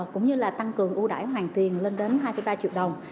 cũng như là tăng cường ưu đải hoàn tiền lên đến hai ba triệu đồng